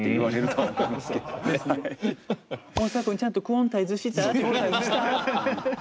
大沢くんちゃんとクオンタイズした？